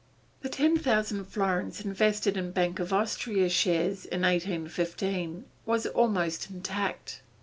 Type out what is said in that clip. The ten thousand florins invested in Bank of Austria shares in 1815 was almost intact.